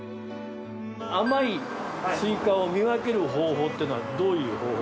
甘いスイカを見分ける方法ってのはどういう方法。